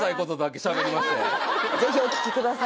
ぜひお聞きください